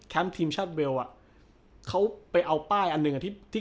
แคมป์ทีมชาติเวลล์อ่ะเขาไปเอาป้ายอันหนึ่งอ่ะที่